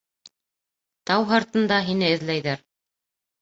Тау һыртында һине эҙләйҙәр.